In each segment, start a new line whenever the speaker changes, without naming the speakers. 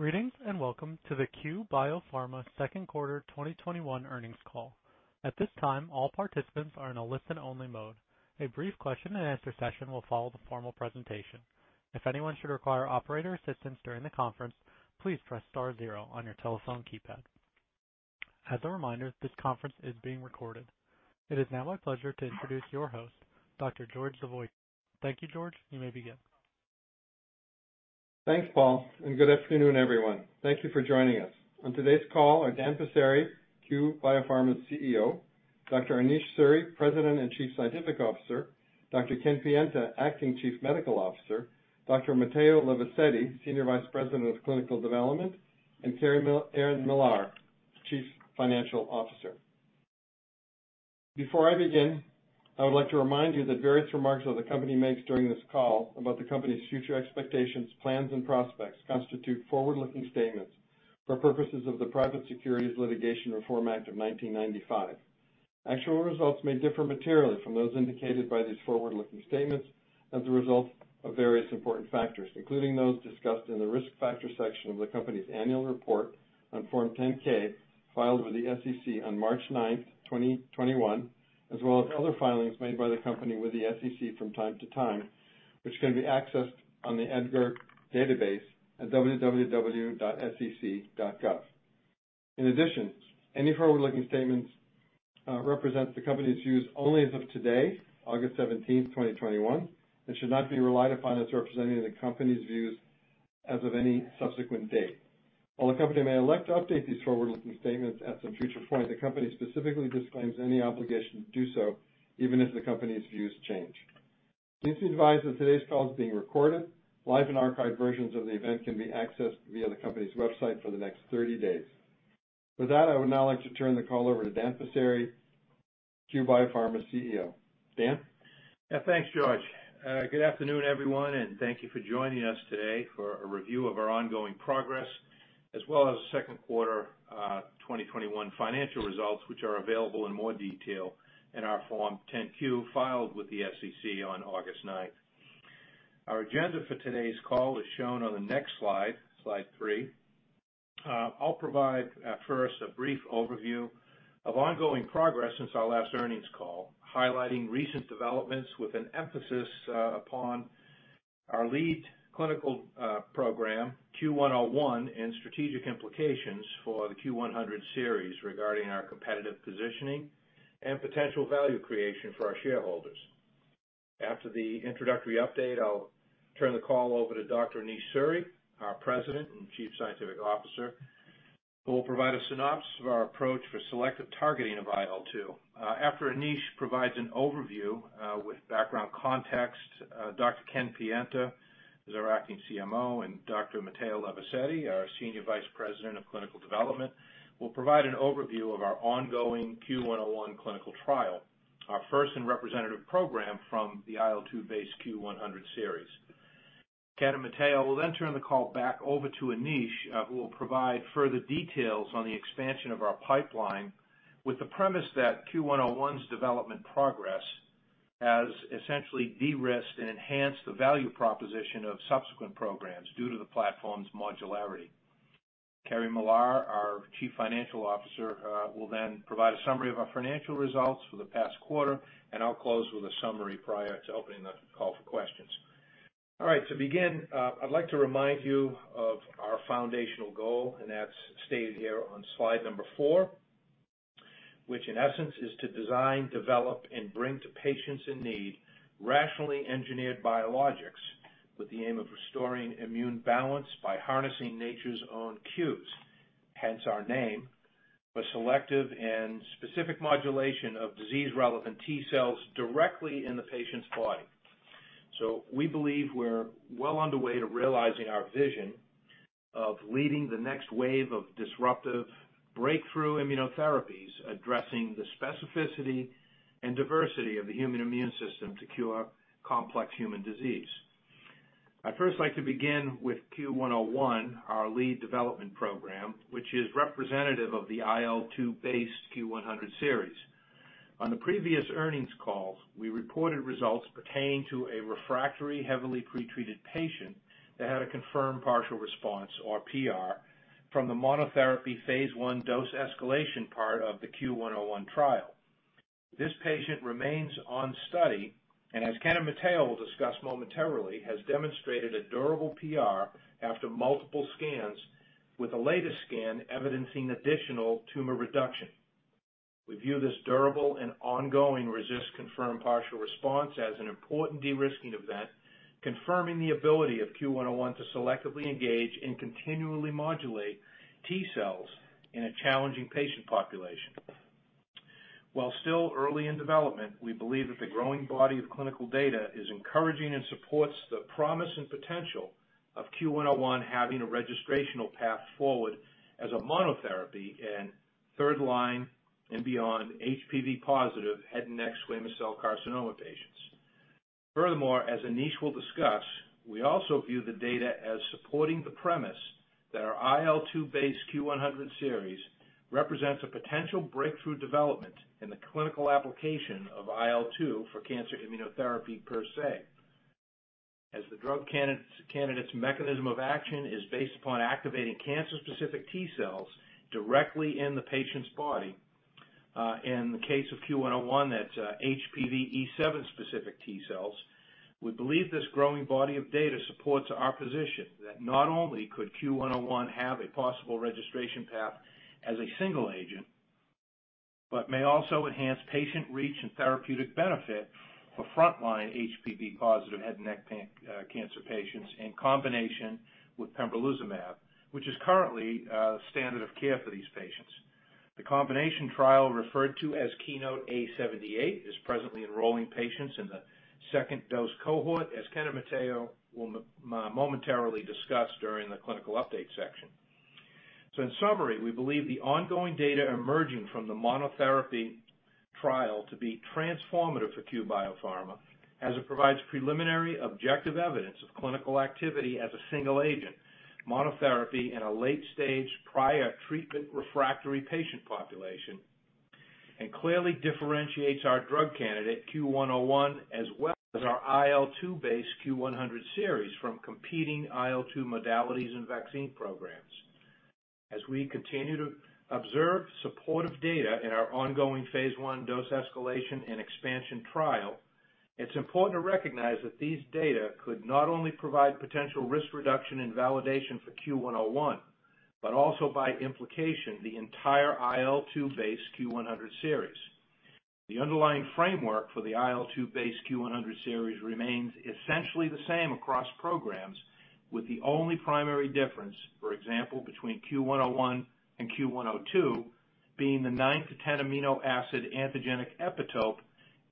Greetings, and welcome to the Cue Biopharma Second Quarter 2021 Earnings Call. At this time, all participants are in a listen-only mode. A brief question-and-answer session will follow the formal presentation. If anyone should require operator assistance during the conference, please press star zero on your telephone keypad. As a reminder, this conference is being recorded. It is now my pleasure to introduce your host, Dr. George Zavoico. Thank you, George. You may begin.
Thanks, Paul. Good afternoon, everyone. Thank you for joining us. On today's call are Dan Passeri, Cue Biopharma CEO, Dr. Anish Suri, President and Chief Scientific Officer, Dr. Ken Pienta, Acting Chief Medical Officer, Dr. Matteo Levisetti, Senior Vice President of Clinical Development, and Kerri-Ann Millar, Chief Financial Officer. Before I begin, I would like to remind you that various remarks that the company makes during this call about the company's future expectations, plans, and prospects constitute forward-looking statements for purposes of the Private Securities Litigation Reform Act of 1995. Actual results may differ materially from those indicated by these forward-looking statements as a result of various important factors, including those discussed in the risk factors section of the company's annual report on Form 10-K filed with the SEC on March 9th, 2021, as well as other filings made by the company with the SEC from time to time, which can be accessed on the EDGAR database at www.sec.gov. In addition, any forward-looking statements represent the company's views only as of today, August 17th, 2021, and should not be relied upon as representing the company's views as of any subsequent date. While the company may elect to update these forward-looking statements at some future point, the company specifically disclaims any obligation to do so, even if the company's views change. Please be advised that today's call is being recorded. Live and archived versions of the event can be accessed via the company's website for the next 30 days. With that, I would now like to turn the call over to Dan Passeri, Cue Biopharma CEO. Dan?
Yeah. Thanks, George. Good afternoon, everyone, and thank you for joining us today for a review of our ongoing progress, as well as the second quarter 2021 financial results, which are available in more detail in our Form 10-Q filed with the SEC on August 9th. Our agenda for today's call is shown on the next slide three. I'll provide, first, a brief overview of ongoing progress since our last earnings call, highlighting recent developments with an emphasis upon our lead clinical program, CUE-101, and strategic implications for the CUE-100 series regarding our competitive positioning and potential value creation for our shareholders. After the introductory update, I'll turn the call over to Dr. Anish Suri, our President and Chief Scientific Officer, who will provide a synopsis of our approach for selective targeting of IL-2. After Anish provides an overview with background context, Dr. Ken Pienta, who is our Acting CMO, and Dr. Matteo Levisetti, our Senior Vice President of Clinical Development, will provide an overview of our ongoing CUE-101 clinical trial, our first and representative program from the IL-2 base CUE-100 series. Ken and Matteo will then turn the call back over to Anish, who will provide further details on the expansion of our pipeline with the premise that CUE-101's development progress has essentially de-risked and enhanced the value proposition of subsequent programs due to the platform's modularity. Kerri Millar, our Chief Financial Officer, will then provide a summary of our financial results for the past quarter, and I will close with a summary prior to opening the call for questions. All right. To begin, I'd like to remind you of our foundational goal, and that's stated here on slide number four, which in essence is to design, develop, and bring to patients in need rationally engineered biologics with the aim of restoring immune balance by harnessing nature's own cues, hence our name, with selective and specific modulation of disease-relevant T cells directly in the patient's body. We believe we're well underway to realizing our vision of leading the next wave of disruptive breakthrough immunotherapies, addressing the specificity and diversity of the human immune system to cure complex human disease. I'd first like to begin with CUE-101, our lead development program, which is representative of the IL-2 based CUE-100 series. On the previous earnings call, we reported results pertaining to a refractory, heavily pretreated patient that had a confirmed partial response, or PR, from the monotherapy phase I dose escalation part of the CUE-101 trial. This patient remains on study, and as Ken and Matteo will discuss momentarily, has demonstrated a durable PR after multiple scans, with the latest scan evidencing additional tumor reduction. We view this durable and ongoing RECIST confirmed partial response as an important de-risking event, confirming the ability of CUE-101 to selectively engage and continually modulate T cells in a challenging patient population. While still early in development, we believe that the growing body of clinical data is encouraging and supports the promise and potential of CUE-101 having a registrational path forward as a monotherapy in third-line and beyond HPV positive head and neck squamous cell carcinoma patients. Furthermore, as Anish will discuss, we also view the data as supporting the premise that our IL-2-based CUE-100 series represents a potential breakthrough development in the clinical application of IL-2 for cancer immunotherapy per se. As the drug candidate's mechanism of action is based upon activating cancer-specific T cells directly in the patient's body. In the case of CUE-101, that's HPV E7-specific T cells. We believe this growing body of data supports our position that not only could CUE-101 have a possible registration path as a single agent, but may also enhance patient reach and therapeutic benefit for frontline HPV-positive head and neck cancer patients in combination with pembrolizumab, which is currently standard of care for these patients. The combination trial referred to as KEYNOTE-A78, is presently enrolling patients in the second dose cohort, as Ken and Matteo will momentarily discuss during the clinical update section. In summary, we believe the ongoing data emerging from the monotherapy trial to be transformative for Cue Biopharma as it provides preliminary objective evidence of clinical activity as a single agent, monotherapy in a late stage prior treatment refractory patient population, and clearly differentiates our drug candidate CUE-101, as well as our IL-2 based CUE-100 series from competing IL-2 modalities and vaccine programs. We continue to observe supportive data in our ongoing phase I dose escalation and expansion trial, it's important to recognize that these data could not only provide potential risk reduction and validation for CUE-101, but also by implication, the entire IL-2 based CUE-100 series. The underlying framework for the IL-2-based CUE-100 series remains essentially the same across programs with the only primary difference, for example, between CUE-101 and CUE-102 being the 9-10 amino acid antigenic epitope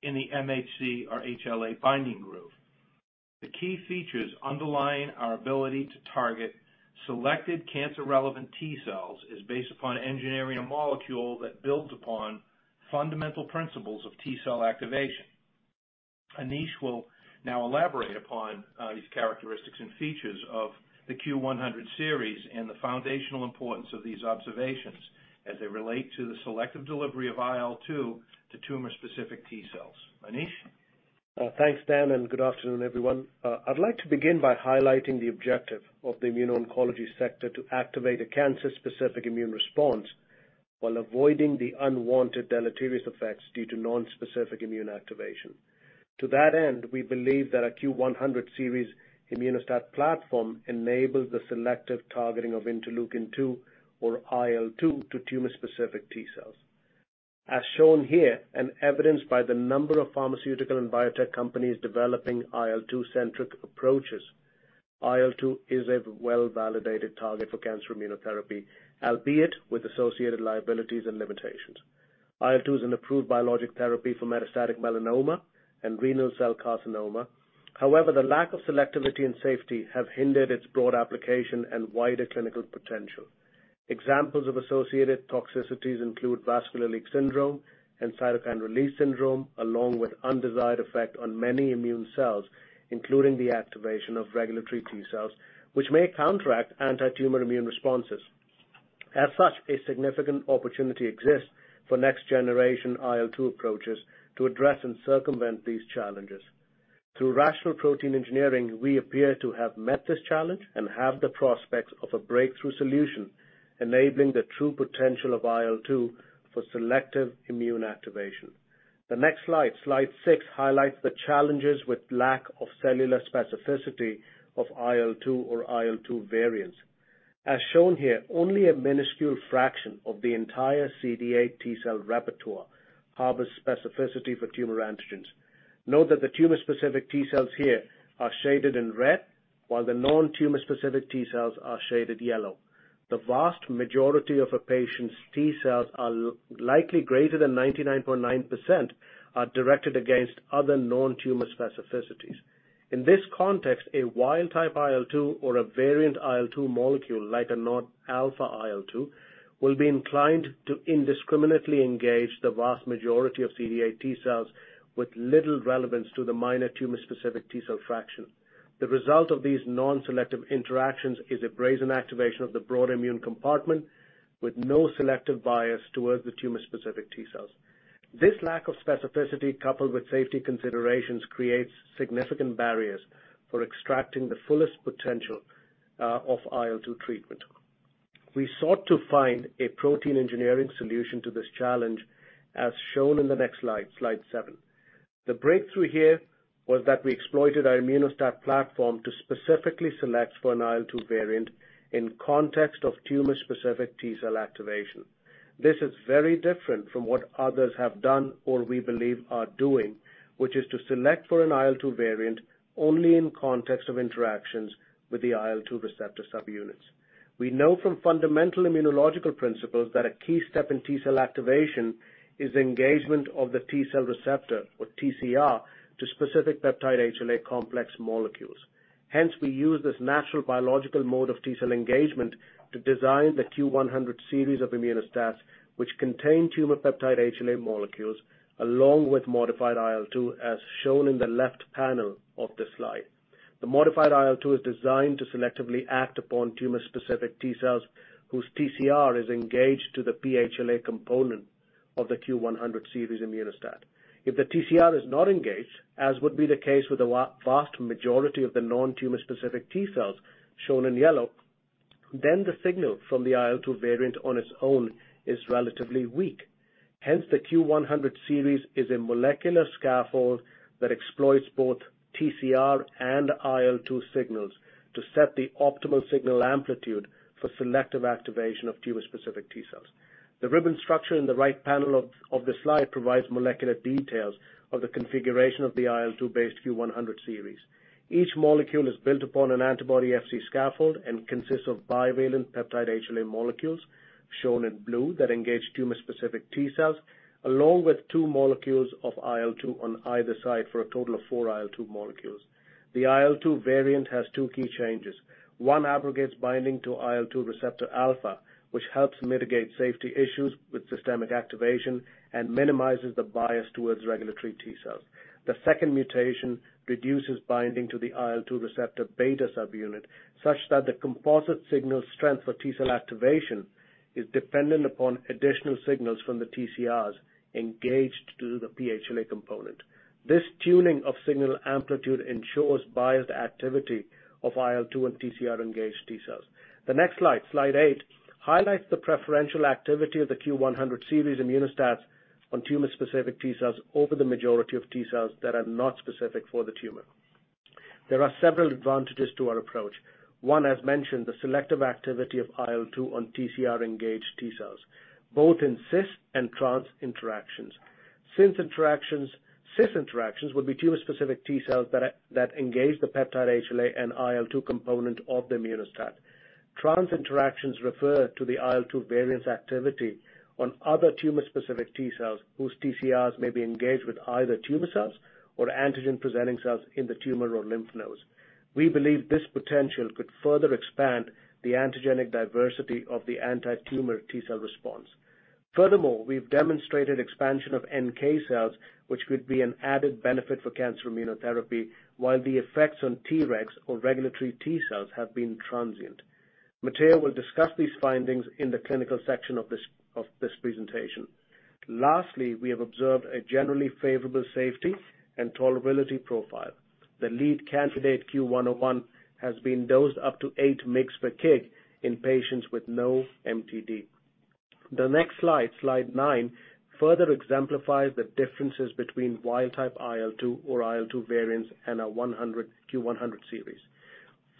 in the MHC or HLA binding groove. The key features underlying our ability to target selected cancer-relevant T cells is based upon engineering a molecule that builds upon fundamental principles of T cell activation. Anish will now elaborate upon these characteristics and features of the CUE-100 series and the foundational importance of these observations as they relate to the selective delivery of IL-2 to tumor-specific T cells. Anish?
Thanks, Dan. Good afternoon, everyone. I'd like to begin by highlighting the objective of the immuno-oncology sector to activate a cancer-specific immune response while avoiding the unwanted deleterious effects due to non-specific immune activation. To that end, we believe that our CUE-100 series Immuno-STAT platform enables the selective targeting of interleukin-2 or IL-2 to tumor-specific T cells. As shown here and evidenced by the number of pharmaceutical and biotech companies developing IL-2-centric approaches, IL-2 is a well-validated target for cancer immunotherapy, albeit with associated liabilities and limitations. IL-2 is an approved biologic therapy for metastatic melanoma and renal cell carcinoma. The lack of selectivity and safety have hindered its broad application and wider clinical potential. Examples of associated toxicities include vascular leak syndrome and cytokine release syndrome, along with undesired effect on many immune cells, including the activation of regulatory T cells, which may counteract anti-tumor immune responses. As such, a significant opportunity exists for next-generation IL-2 approaches to address and circumvent these challenges. Through rational protein engineering, we appear to have met this challenge and have the prospects of a breakthrough solution enabling the true potential of IL-2 for selective immune activation. The next slide, slide six, highlights the challenges with lack of cellular specificity of IL-2 or IL-2 variants. As shown here, only a minuscule fraction of the entire CD8 T cell repertoire harbors specificity for tumor antigens. Note that the tumor-specific T cells here are shaded in red, while the non-tumor-specific T cells are shaded yellow. The vast majority of a patient's T cells are likely greater than 99.9%, are directed against other non-tumor specificities. In this context, a wild type IL-2 or a variant IL-2 molecule, like a non-alpha IL-2, will be inclined to indiscriminately engage the vast majority of CD8 T cells with little relevance to the minor tumor specific T cell fraction. The result of these non-selective interactions is a brazen activation of the broad immune compartment with no selective bias towards the tumor specific T cells. This lack of specificity, coupled with safety considerations, creates significant barriers for extracting the fullest potential of IL-2 treatment. We sought to find a protein engineering solution to this challenge, as shown in the next slide, slide seven. The breakthrough here was that we exploited our Immuno-STAT platform to specifically select for an IL-2 variant in context of tumor specific T cell activation. This is very different from what others have done or we believe are doing, which is to select for an IL-2 variant only in context of interactions with the IL-2 receptor subunits. We know from fundamental immunological principles that a key step in T cell activation is engagement of the T cell receptor or TCR to specific peptide HLA complex molecules. Hence, we use this natural biological mode of T cell engagement to design the CUE-100 series of Immuno-STATs, which contain tumor peptide HLA molecules, along with modified IL-2 as shown in the left panel of this slide. The modified IL-2 is designed to selectively act upon tumor-specific T cells, whose TCR is engaged to the pHLA component of the CUE-100 series Immuno-STAT. If the TCR is not engaged, as would be the case with the vast majority of the non-tumor specific T cells shown in yellow, then the signal from the IL-2 variant on its own is relatively weak. Hence, the CUE-100 series is a molecular scaffold that exploits both TCR and IL-2 signals to set the optimal signal amplitude for selective activation of tumor-specific T cells. The ribbon structure in the right panel of the slide provides molecular details of the configuration of the IL-2 based CUE-100 series. Each molecule is built upon an antibody Fc scaffold and consists of bivalent peptide HLA molecules, shown in blue, that engage tumor-specific T cells, along with two molecules of IL-2 on either side, for a total of four IL-2 molecules. The IL-2 variant has two key changes. One abrogates binding to IL-2 receptor alpha, which helps mitigate safety issues with systemic activation and minimizes the bias towards regulatory T cells. The second mutation reduces binding to the IL-2 receptor beta subunit, such that the composite signal strength for T cell activation is dependent upon additional signals from the TCRs engaged to the pHLA component. This tuning of signal amplitude ensures biased activity of IL-2 and TCR-engaged T cells. The next slide, slide eight, highlights the preferential activity of the CUE-100 series Immuno-STATs on tumor-specific T cells over the majority of T cells that are not specific for the tumor. There are several advantages to our approach. One, as mentioned, the selective activity of IL-2 on TCR-engaged T cells, both in cis and trans-interactions. Cis-interactions would be tumor-specific T cells that engage the peptide HLA and IL-2 component of the Immuno-STAT. Trans-interactions refer to the IL-2 variants activity on other tumor-specific T cells, whose TCRs may be engaged with either tumor cells or antigen-presenting cells in the tumor or lymph nodes. We believe this potential could further expand the antigenic diversity of the anti-tumor T cell response. We've demonstrated expansion of NK cells, which could be an added benefit for cancer immunotherapy, while the effects on Tregs or regulatory T cells have been transient. Matteo will discuss these findings in the clinical section of this presentation. We have observed a generally favorable safety and tolerability profile. The lead candidate, CUE-101, has been dosed up to 8 mgs/kg in patients with no MTD. The next slide, slide nine, further exemplifies the differences between wild type IL-2 or IL-2 variants and our CUE-100 series.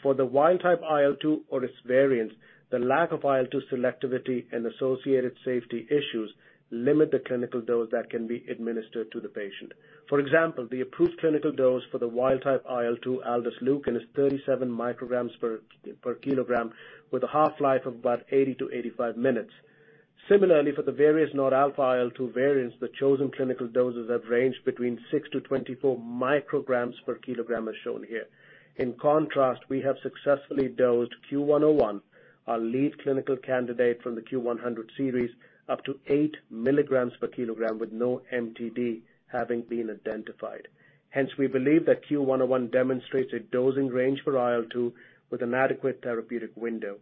For the wild type IL-2 or its variants, the lack of IL-2 selectivity and associated safety issues limit the clinical dose that can be administered to the patient. For example, the approved clinical dose for the wild type IL-2 aldesleukin is 37 mcgs/kg, with a half-life of about 80-85 minutes. Similarly, for the various non-alpha IL-2 variants, the chosen clinical doses have ranged between 6-24 mcgs/kg, as shown here. In contrast, we have successfully dosed CUE-101, our lead clinical candidate from the CUE-100 series, up to 8 mgs/kg, with no MTD having been identified. We believe that CUE-101 demonstrates a dosing range for IL-2 with an adequate therapeutic window.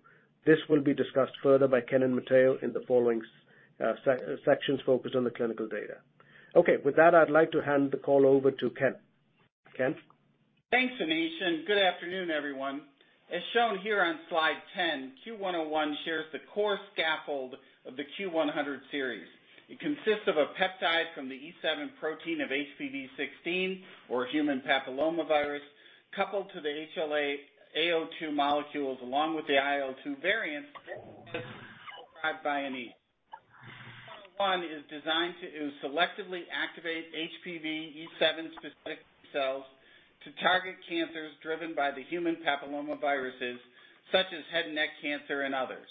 This will be discussed further by Ken and Matteo in the following sections focused on the clinical data. Okay. With that, I'd like to hand the call over to Ken. Ken?
Thanks, Anish, and good afternoon, everyone. As shown here on slide 10, CUE-101 shares the core scaffold of the CUE-100 series. It consists of a peptide from the E7 protein of HPV16, or human papillomavirus, coupled to the HLA-A02 molecules, along with the IL-2 variant, then this described by Anish. CUE-101 is designed to selectively activate HPV E7 specific T cells to target cancers driven by the human papillomaviruses, such as head and neck cancer and others.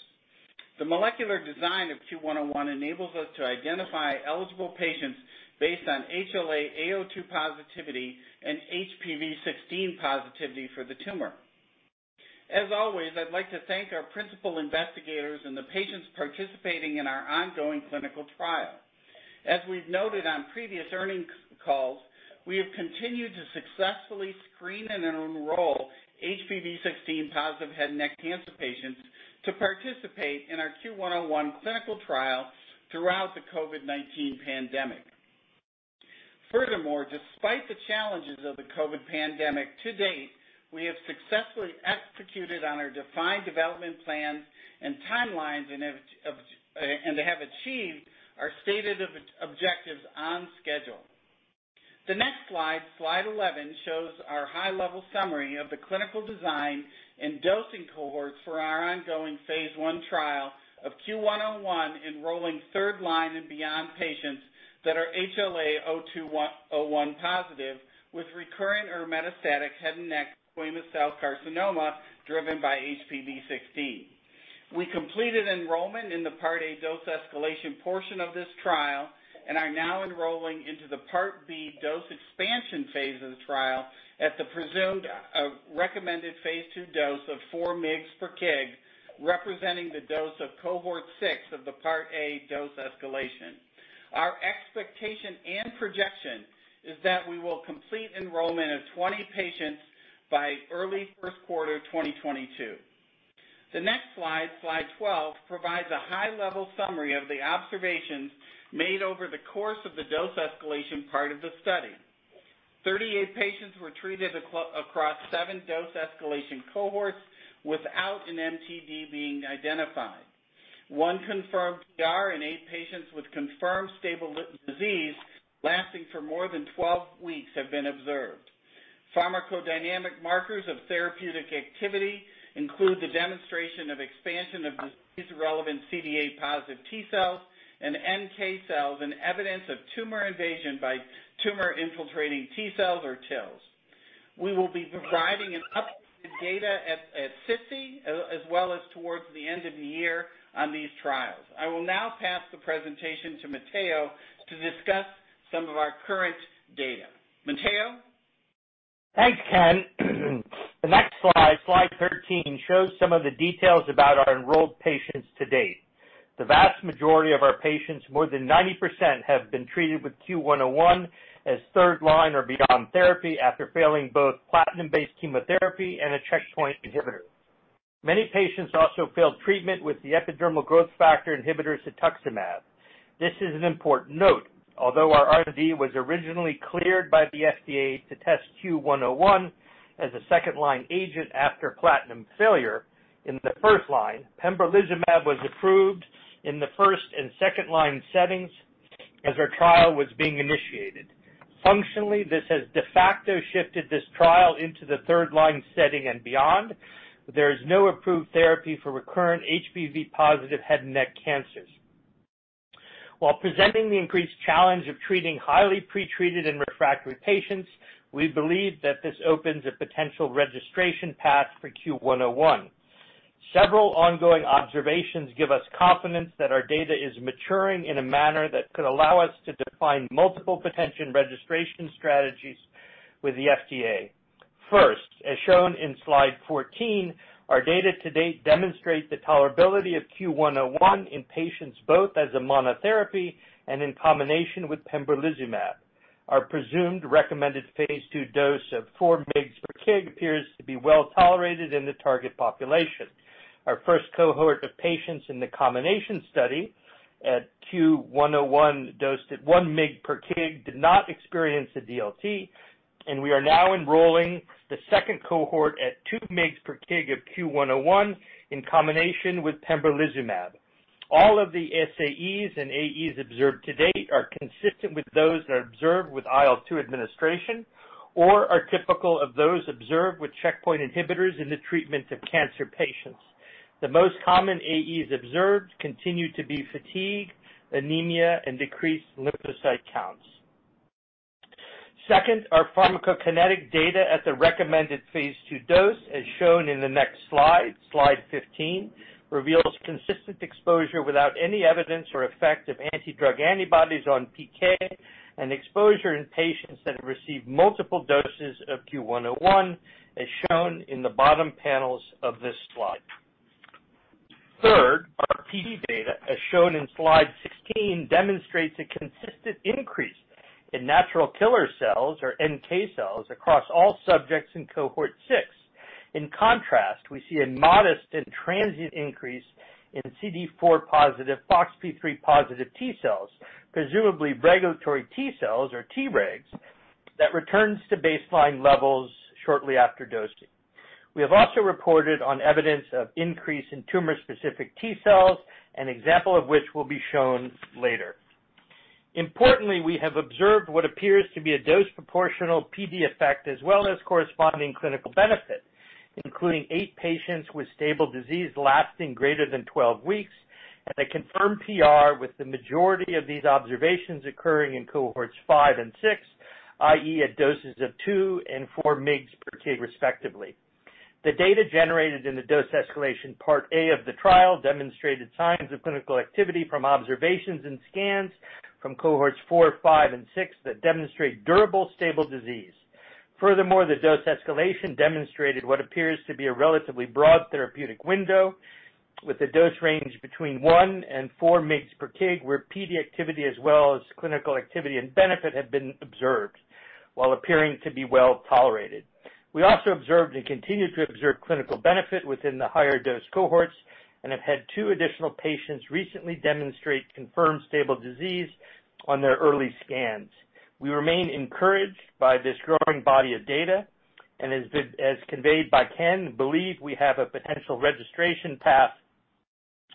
The molecular design of CUE-101 enables us to identify eligible patients based on HLA-A02 positivity and HPV16 positivity for the tumor. As always, I'd like to thank our Principal Investigators and the patients participating in our ongoing clinical trial. As we've noted on previous earnings calls, we have continued to successfully screen and enroll HPV16 positive head and neck cancer patients to participate in our CUE-101 clinical trial throughout the COVID-19 pandemic. Furthermore, despite the challenges of the COVID-19 pandemic to date, we have successfully executed on our defined development plans and timelines and have achieved our stated objectives on schedule. The next slide, slide 11, shows our high-level summary of the clinical design and dosing cohorts for our ongoing phase I trial of CUE-101, enrolling third line and beyond patients that are HLA-A0201 positive with recurrent or metastatic head and neck squamous cell carcinoma driven by HPV16. We completed enrollment in the Part A dose escalation portion of this trial and are now enrolling into the Part B dose expansion phase of the trial at the presumed recommended Phase II dose of 4 mgs per kg, representing the dose of cohort six of the Part A dose escalation. Our expectation and projection is that we will complete enrollment of 20 patients by early first quarter 2022. The next slide, slide 12, provides a high-level summary of the observations made over the course of the dose escalation part of the study. 38 patients were treated across seven dose escalation cohorts without an MTD being identified. One confirmed PR in eight patients with confirmed stable disease lasting for more than 12 weeks have been observed. Pharmacodynamic markers of therapeutic activity include the demonstration of expansion of disease-relevant CD8-positive T cells and NK cells, and evidence of tumor invasion by tumor-infiltrating T cells or TILs. We will be providing an updated data at SITC, as well as towards the end of the year on these trials. I will now pass the presentation to Matteo to discuss some of our current data. Matteo?
Thanks, Ken. The next slide 13, shows some of the details about our enrolled patients to date. The vast majority of our patients, more than 90%, have been treated with CUE-101 as third-line or beyond therapy after failing both platinum-based chemotherapy and a checkpoint inhibitor. Many patients also failed treatment with the epidermal growth factor inhibitor cetuximab. This is an important note. Our IND was originally cleared by the FDA to test CUE-101 as a second-line agent after platinum failure in the first line, pembrolizumab was approved in the first and second-line settings as our trial was being initiated. This has de facto shifted this trial into the third-line setting and beyond. There is no approved therapy for recurrent HPV-positive head and neck cancers. Presenting the increased challenge of treating highly pretreated and refractory patients, we believe that this opens a potential registration path for CUE-101. Several ongoing observations give us confidence that our data is maturing in a manner that could allow us to define multiple potential registration strategies with the FDA. First, as shown in slide 14, our data to date demonstrate the tolerability of CUE-101 in patients both as a monotherapy and in combination with pembrolizumab. Our presumed recommended phase II dose of 4 mg/kg appears to be well-tolerated in the target population. Our first cohort of patients in the combination study at CUE-101 dosed at 1 mg/kg did not experience a DLT, and we are now enrolling the second cohort at 2 mg/kg of CUE-101 in combination with pembrolizumab. All of the SAEs and AEs observed to date are consistent with those that are observed with IL-2 administration or are typical of those observed with checkpoint inhibitors in the treatment of cancer patients. The most common AEs observed continue to be fatigue, anemia, and decreased lymphocyte counts. Our pharmacokinetic data at the recommended phase II dose, as shown in the next slide 15, reveals consistent exposure without any evidence or effect of anti-drug antibodies on PK and exposure in patients that have received multiple doses of CUE-101, as shown in the bottom panels of this slide. Our PD data, as shown in slide 16, demonstrates a consistent increase in natural killer cells, or NK cells, across all subjects in cohort six. In contrast, we see a modest and transient increase in CD4+ FoxP3+ T cells, presumably regulatory T cells, or Tregs, that returns to baseline levels shortly after dosing. We have also reported on evidence of increase in tumor-specific T cells, an example of which will be shown later. Importantly, we have observed what appears to be a dose proportional PD effect as well as corresponding clinical benefit, including eight patients with stable disease lasting greater than 12 weeks and a confirmed PR with the majority of these observations occurring in cohorts five and six, i.e., at doses of 2 mgs/kg and 4 mgs/kg respectively. The data generated in the dose escalation Part A of the trial demonstrated signs of clinical activity from observations and scans from cohorts four, five, and six that demonstrate durable stable disease. Furthermore, the dose escalation demonstrated what appears to be a relatively broad therapeutic window with a dose range between 1 mg/kg and 4 mgs/kg, where PD activity as well as clinical activity and benefit have been observed while appearing to be well-tolerated. We also observed and continue to observe clinical benefit within the higher dose cohorts and have had two additional patients recently demonstrate confirmed stable disease on their early scans. We remain encouraged by this growing body of data and as conveyed by Ken, believe we have a potential registration path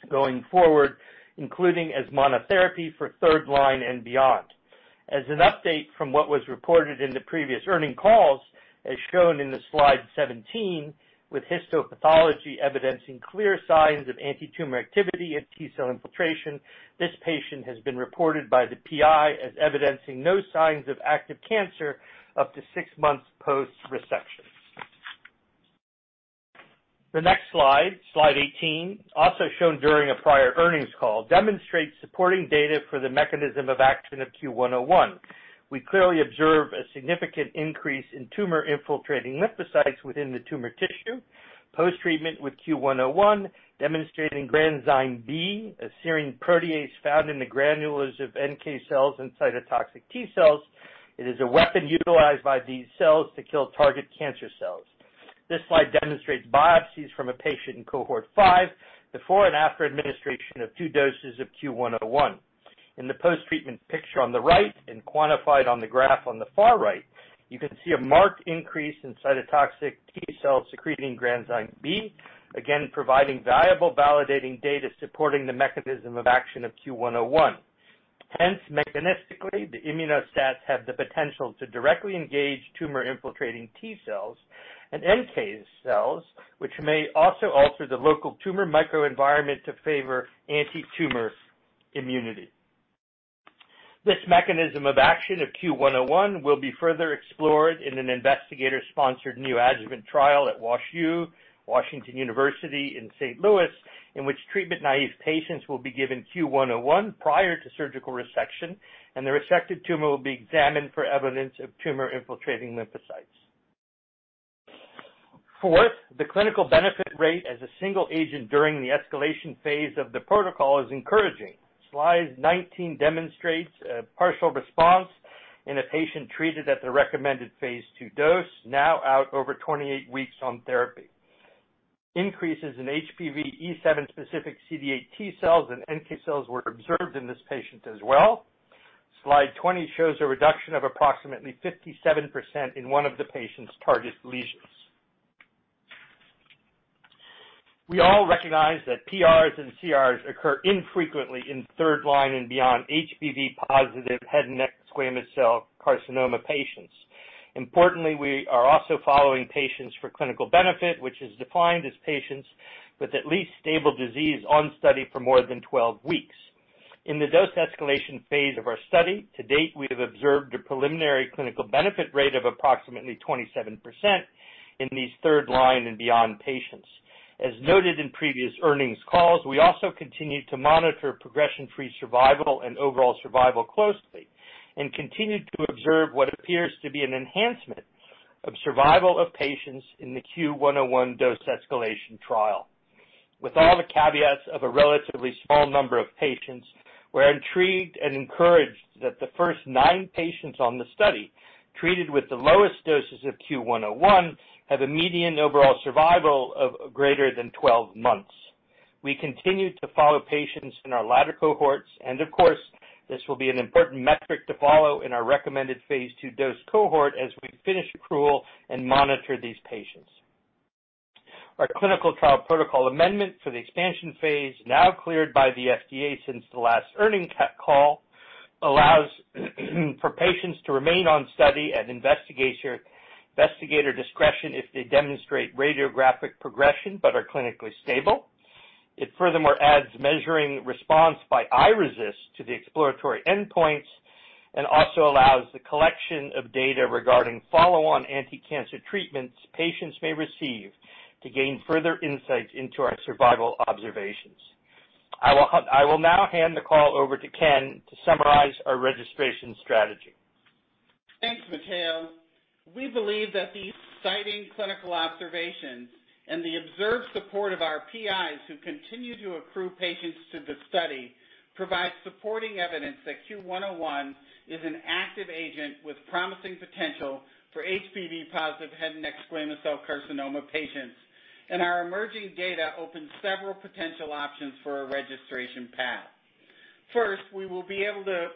going forward, including as monotherapy for third line and beyond. As an update from what was reported in the previous earnings calls, as shown in the slide 17, with histopathology evidencing clear signs of anti-tumor activity and T cell infiltration, this patient has been reported by the PI as evidencing no signs of active cancer up to six months post-resection. The next slide, slide 18, also shown during a prior earnings call, demonstrates supporting data for the mechanism of action of CUE-101. We clearly observe a significant increase in tumor-infiltrating lymphocytes within the tumor tissue, post-treatment with CUE-101, demonstrating granzyme B, a serine protease found in the granules of NK cells and cytotoxic T cells. It is a weapon utilized by these cells to kill target cancer cells. This slide demonstrates biopsies from a patient in cohort five, before and after administration of two doses of CUE-101. In the post-treatment picture on the right and quantified on the graph on the far right, you can see a marked increase in cytotoxic T cells secreting granzyme B, again, providing valuable validating data supporting the mechanism of action of CUE-101. Hence, mechanistically, the Immuno-STATs have the potential to directly engage tumor-infiltrating T cells and NK cells, which may also alter the local tumor microenvironment to favor anti-tumor immunity. This mechanism of action of CUE-101 will be further explored in an investigator-sponsored neoadjuvant trial at WashU, Washington University in St. Louis, in which treatment-naive patients will be given CUE-101 prior to surgical resection, and the resected tumor will be examined for evidence of tumor-infiltrating lymphocytes. Fourth, the clinical benefit rate as a single agent during the escalation phase of the protocol is encouraging. Slide 19 demonstrates a partial response in a patient treated at the recommended phase II dose, now out over 28 weeks on therapy. Increases in HPV E7 specific CD8 T cells and NK cells were observed in this patient as well. Slide 20 shows a reduction of approximately 57% in one of the patient's target lesions. We all recognize that PRs and CRs occur infrequently in third-line and beyond HPV-positive head and neck squamous cell carcinoma patients. Importantly, we are also following patients for clinical benefit, which is defined as patients with at least stable disease on study for more than 12 weeks. In the dose escalation phase of our study, to date, we have observed a preliminary clinical benefit rate of approximately 27% in these third-line and beyond patients. As noted in previous earnings calls, we also continue to monitor progression-free survival and overall survival closely and continue to observe what appears to be an enhancement of survival of patients in the CUE-101 dose escalation trial. With all the caveats of a relatively small number of patients, we're intrigued and encouraged that the first nine patients on the study treated with the lowest doses of CUE-101 have a median overall survival of greater than 12 months. We continue to follow patients in our latter cohorts and, of course, this will be an important metric to follow in our recommended phase II dose cohort as we finish accrual and monitor these patients. Our clinical trial protocol amendment for the expansion phase, now cleared by the FDA since the last earning call, allows for patients to remain on study at investigator discretion if they demonstrate radiographic progression but are clinically stable. It furthermore adds measuring response by iRECIST to the exploratory endpoints and also allows the collection of data regarding follow-on anticancer treatments patients may receive to gain further insight into our survival observations. I will now hand the call over to Ken to summarize our registration strategy.
Thanks, Matteo. We believe that these exciting clinical observations and the observed support of our PIs, who continue to accrue patients to the study, provide supporting evidence that CUE-101 is an active agent with promising potential for HPV-positive head and neck squamous cell carcinoma patients. Our emerging data opens several potential options for a registration path. First, we will be able to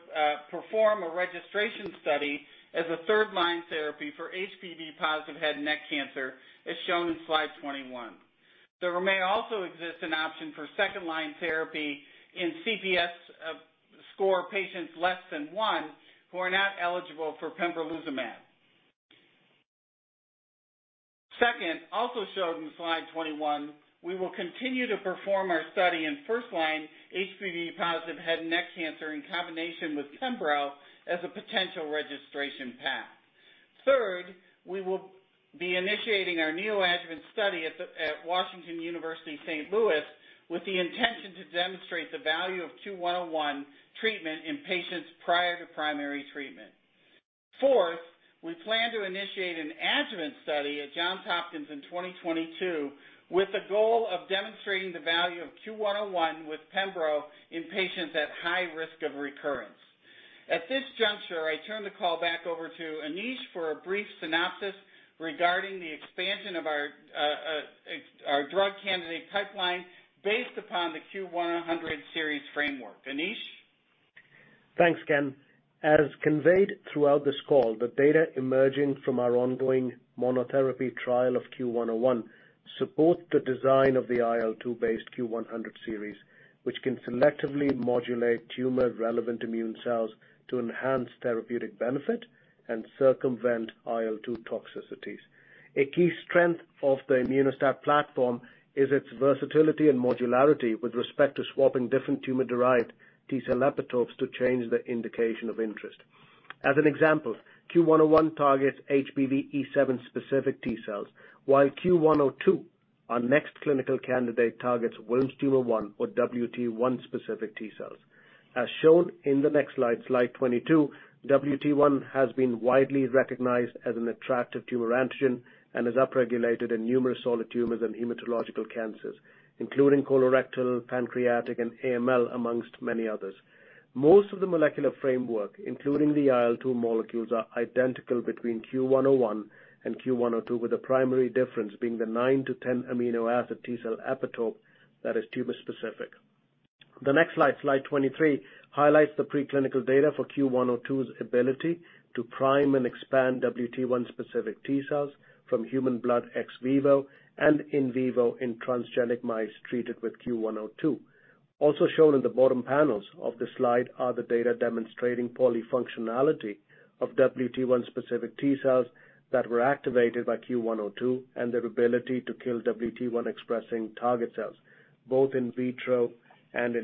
perform a registration study as a third-line therapy for HPV-positive head and neck cancer, as shown in slide 21. There may also exist an option for second-line therapy in CPS score patients less than one who are not eligible for pembrolizumab. Second, also shown in slide 21, we will continue to perform our study in first-line HPV-positive head and neck cancer in combination with pembro as a potential registration path. Third, we will be initiating our neoadjuvant study at Washington University in St. Louis with the intention to demonstrate the value of CUE-101 treatment in patients prior to primary treatment. Fourth, we plan to initiate an adjuvant study at Johns Hopkins in 2022 with the goal of demonstrating the value of CUE-101 with pembro in patients at high risk of recurrence. At this juncture, I turn the call back over to Anish for a brief synopsis regarding the expansion of our drug candidate pipeline based upon the CUE-100 series framework. Anish?
Thanks, Ken. As conveyed throughout this call, the data emerging from our ongoing monotherapy trial of CUE-101 support the design of the IL-2 based CUE-100 series, which can selectively modulate tumor-relevant immune cells to enhance therapeutic benefit and circumvent IL-2 toxicities. A key strength of the Immuno-STAT platform is its versatility and modularity with respect to swapping different tumor-derived T cell epitopes to change the indication of interest. As an example, CUE-101 targets HPV E7 specific T cells, while CUE-102, our next clinical candidate, targets Wilms' Tumor 1, or WT1-specific T cells. As shown in the next slide 22, WT1 has been widely recognized as an attractive tumor antigen and is upregulated in numerous solid tumors and hematological cancers, including colorectal, pancreatic, and AML, amongst many others. Most of the molecular framework, including the IL-2 molecules, are identical between CUE-101 and CUE-102, with the primary difference being the 9-10 amino acid T cell epitope that is tumor-specific. The next slide 23, highlights the preclinical data for CUE-102's ability to prime and expand WT1-specific T cells from human blood ex vivo and in vivo in transgenic mice treated with CUE-102. Also shown in the bottom panels of the slide are the data demonstrating polyfunctionality of WT1-specific T cells that were activated by CUE-102 and their ability to kill WT1-expressing target cells, both in vitro and in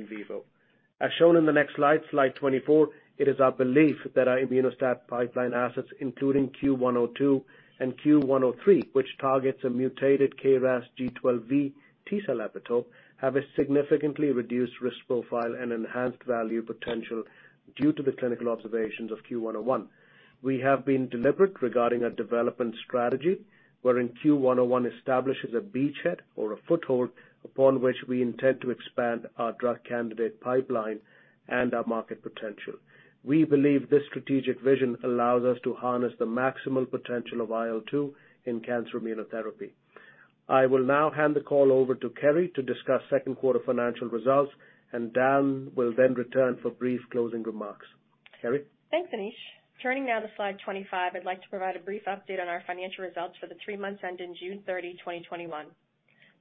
vivo. As shown in the next slide 24, it is our belief that our Immuno-STAT pipeline assets, including CUE-102 and CUE-103, which targets a mutated KRAS G12V T cell epitope, have a significantly reduced risk profile and enhanced value potential due to the clinical observations of CUE-101. We have been deliberate regarding our development strategy, wherein CUE-101 establishes a beachhead or a foothold upon which we intend to expand our drug candidate pipeline and our market potential. We believe this strategic vision allows us to harness the maximal potential of IL-2 in cancer immunotherapy. I will now hand the call over to Kerri to discuss second quarter financial results, and Dan will then return for brief closing remarks. Kerri?
Thanks, Anish. Turning now to slide 25, I'd like to provide a brief update on our financial results for the three months ending June 30, 2021.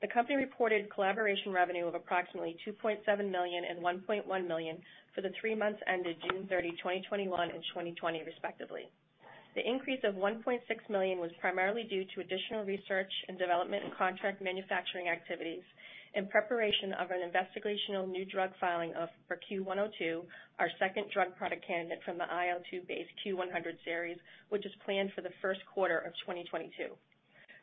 The company reported collaboration revenue of approximately $2.7 million and $1.1 million for the three months ended June 30, 2021, and 2020, respectively. The increase of $1.6 million was primarily due to additional research and development and contract manufacturing activities in preparation of an Investigational New Drug filing for CUE-102, our second drug product candidate from the IL-2-based CUE-100 series, which is planned for the first quarter of 2022.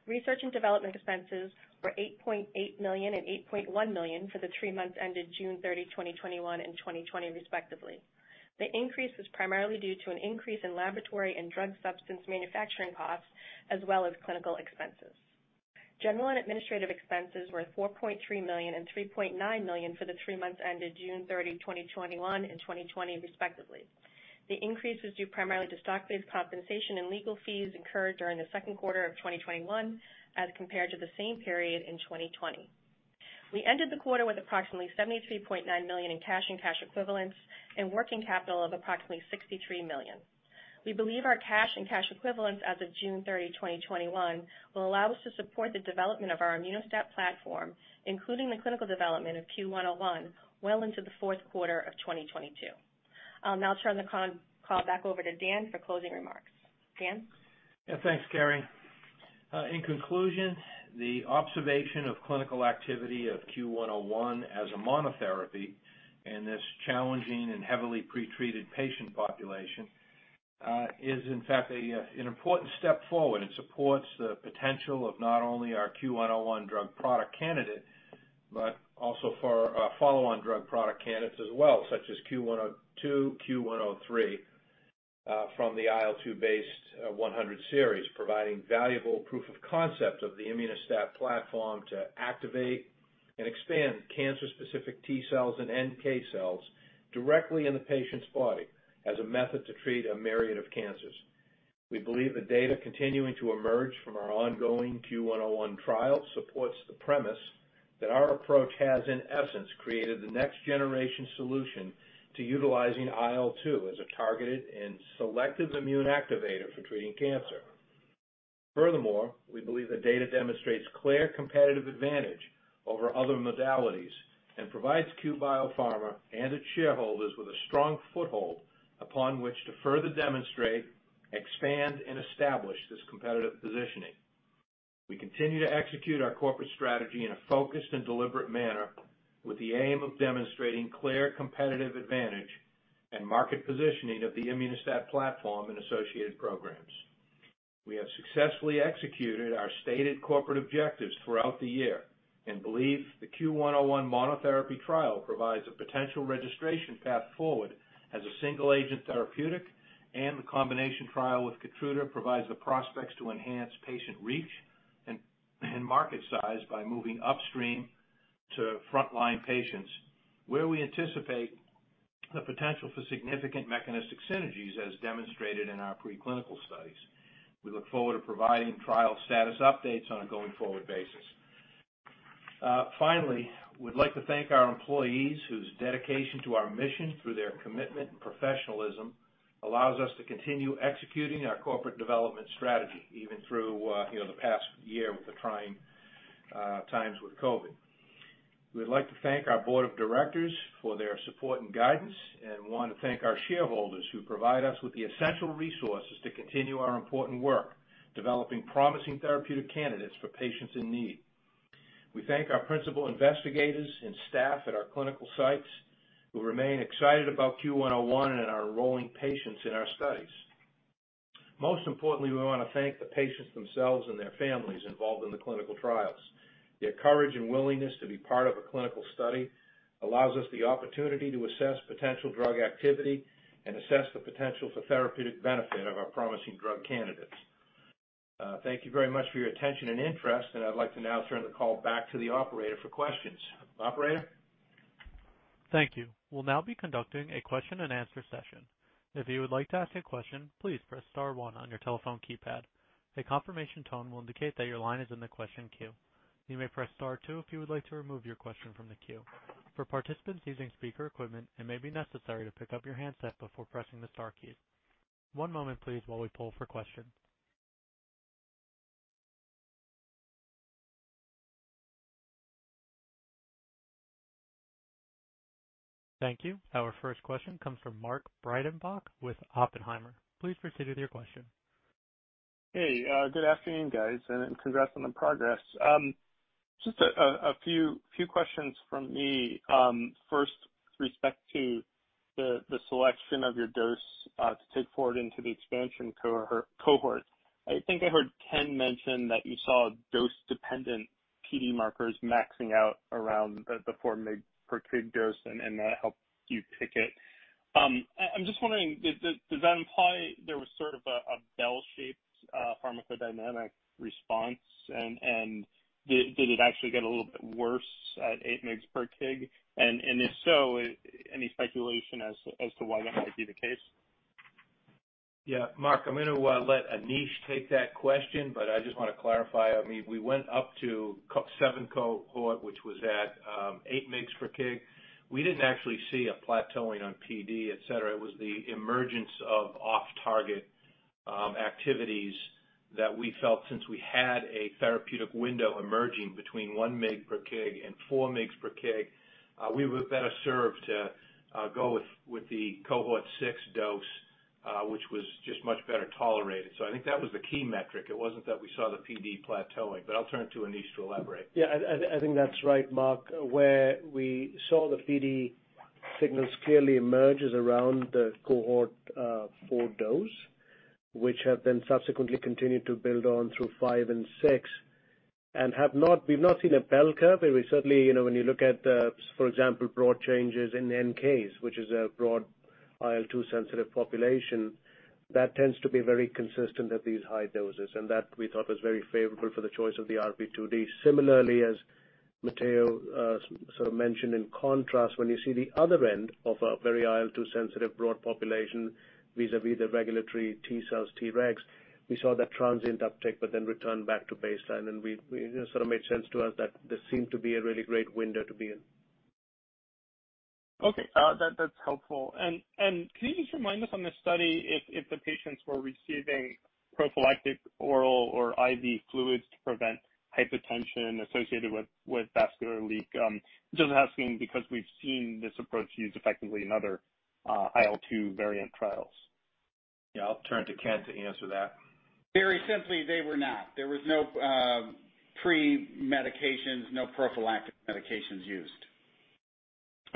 Research and development expenses were $8.8 million and $8.1 million for the three months ended June 30, 2021, and 2020, respectively. The increase was primarily due to an increase in laboratory and drug substance manufacturing costs, as well as clinical expenses. General and administrative expenses were $4.3 million and $3.9 million for the three months ended June 30, 2021, and 2020, respectively. The increase was due primarily to stock-based compensation and legal fees incurred during the second quarter of 2021 as compared to the same period in 2020. We ended the quarter with approximately $73.9 million in cash and cash equivalents and working capital of approximately $63 million. We believe our cash and cash equivalents as of June 30, 2021, will allow us to support the development of our Immuno-STAT platform, including the clinical development of CUE-101, well into the fourth quarter of 2022. I'll now turn the call back over to Dan for closing remarks. Dan?
Yeah. Thanks, Kerri. In conclusion, the observation of clinical activity of CUE-101 as a monotherapy in this challenging and heavily pretreated patient population is, in fact, an important step forward and supports the potential of not only our CUE-101 drug product candidate, but also for our follow-on drug product candidates as well, such as CUE-102, CUE-103 from the IL-2-based CUE-100 series, providing valuable proof of concept of the Immuno-STAT platform to activate and expand cancer-specific T cells and NK cells directly in the patient's body as a method to treat a myriad of cancers. We believe the data continuing to emerge from our ongoing CUE-101 trial supports the premise that our approach has, in essence, created the next generation solution to utilizing IL-2 as a targeted and selective immune activator for treating cancer. Furthermore, we believe the data demonstrates clear competitive advantage over other modalities and provides Cue Biopharma and its shareholders with a strong foothold upon which to further demonstrate, expand, and establish this competitive positioning. We continue to execute our corporate strategy in a focused and deliberate manner with the aim of demonstrating clear competitive advantage and market positioning of the Immuno-STAT platform and associated programs. We have successfully executed our stated corporate objectives throughout the year and believe the CUE-101 monotherapy trial provides a potential registration path forward as a single agent therapeutic, and the combination trial with KEYTRUDA provides the prospects to enhance patient reach and market size by moving upstream to frontline patients where we anticipate the potential for significant mechanistic synergies as demonstrated in our preclinical studies. We look forward to providing trial status updates on a going-forward basis. Finally, we'd like to thank our employees whose dedication to our mission through their commitment and professionalism allows us to continue executing our corporate development strategy, even through the past year with the trying times with COVID. We would like to thank our board of directors for their support and guidance, and want to thank our shareholders who provide us with the essential resources to continue our important work developing promising therapeutic candidates for patients in need. We thank our Principal Investigators and staff at our clinical sites who remain excited about CUE-101 and are enrolling patients in our studies. Most importantly, we want to thank the patients themselves and their families involved in the clinical trials. Their courage and willingness to be part of a clinical study allows us the opportunity to assess potential drug activity and assess the potential for therapeutic benefit of our promising drug candidates. Thank you very much for your attention and interest, and I'd like to now turn the call back to the operator for questions. Operator?
Thank you. We'll now be conducting our question-and-answer session. If you would like to ask a question, please press star one on your telephone keypad. A confirmation tone will indicated that your line is in the question queue. You may press star two if your would like to remove your question from the queue. For participants using speaker, it may be necessary to pick up your handset before pressing the star keys. One moment please while we pull for questions. Thank you. Our first question comes from Mark Breidenbach with Oppenheimer. Please proceed with your question.
Good afternoon, guys, congrats on the progress. Just a few questions from me. First, with respect to the selection of your dose to take forward into the expansion cohort. I think I heard Ken mention that you saw dose-dependent PD markers maxing out around the 4 mg/kg dose, and that helped you pick it. I'm just wondering, does that imply there was sort of a bell-shaped pharmacodynamic response, and did it actually get a little bit worse at 8 mg/kg? If so, any speculation as to why that might be the case?
Mark, I'm going to let Anish take that question, but I just want to clarify. We went up to seven cohort, which was at 8 mgs/kg. We didn't actually see a plateauing on PD, et cetera. It was the emergence of off-target activities that we felt since we had a therapeutic window emerging between 1 mg/kg and 4 mgs/kg, we were better served to go with the cohort six dose, which was just much better tolerated. I think that was the key metric. It wasn't that we saw the PD plateauing, but I'll turn it to Anish to elaborate.
I think that's right, Mark. Where we saw the PD signals clearly emerge is around the cohort four dose, which have then subsequently continued to build on through five and six, and we've not seen a bell curve. We certainly, when you look at, for example, broad changes in NKs, which is a broad IL-2 sensitive population, that tends to be very consistent at these high doses, and that we thought was very favorable for the choice of the RP2D. Similarly, as Matteo sort of mentioned, in contrast, when you see the other end of a very IL-2 sensitive broad population, vis-a-vis the regulatory T cells, Tregs, we saw that transient uptick but then return back to baseline, and it sort of made sense to us that this seemed to be a really great window to be in.
Okay. That's helpful. Can you just remind us on this study if the patients were receiving prophylactic oral or IV fluids to prevent hypotension associated with vascular leak? Just asking because we've seen this approach used effectively in other IL-2 variant trials.
Yeah. I'll turn to Ken to answer that.
Very simply, they were not. There was no pre-medications, no prophylactic medications used.